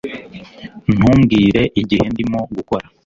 Ntumbwire igihe ndimo gukora